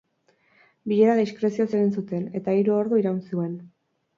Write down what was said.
Bilera diskrezioz egin zuten, eta hiru ordu iraun zuen.